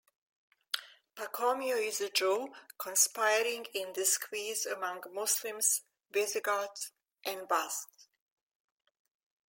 Pacomio is a Jew conspiring in disguise among Muslims, Visigoths and Basques.